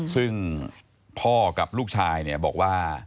ซึ่งพ่อกับลูกชายเนี่ยบอกว่า